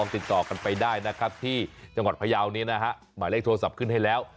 ติดต่อกันไปได้นะครับที่จังหวัดพยาวนี้นะฮะหมายเลขโทรศัพท์ขึ้นให้แล้ว